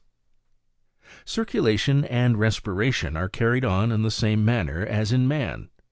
Circulation and respiration are carried on in the same man ner as in man.